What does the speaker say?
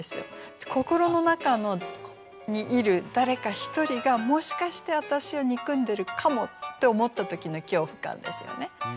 心の中にいる誰か１人が「もしかして私を憎んでるかも？」って思った時の恐怖感ですよね。